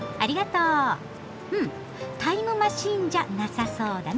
うんタイムマシーンじゃなさそうだね。